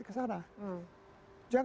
nah kalau anda pengen jihad